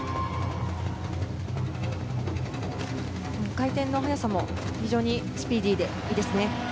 回転の速さも、非常にスピーディーでいいですね。